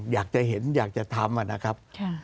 อยากจะเห็นอยากจะทำนะครับ